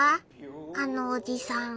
あのおじさん。